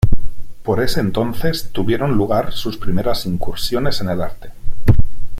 Por ese entonces tuvieron lugar sus primeras incursiones en el arte.